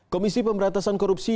komisi pemberantasan korupsi